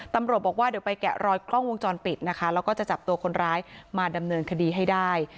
ตำรวจบอกว่าเดี๋ยวไปแกะรอยกล้องวงจรปิดนะคะแล้วก็จะจับตัวคนร้ายมาดำเนินคดีให้ได้